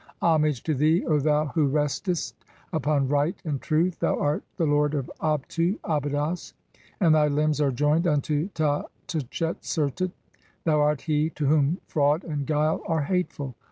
(7) "Homage to thee, O thou who restest upon Right and "Truth, thou art the lord of Abtu (Ahydos), and thy limbs "are joined unto Ta tchesertet ; thou art he to whom fraud and "guile are hateful.